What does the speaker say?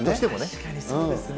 確かにそうですね。